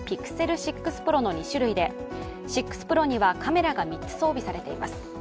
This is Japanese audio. ６Ｐｒｏの２種類で６Ｐｒｏにはカメラが３つ装備されています。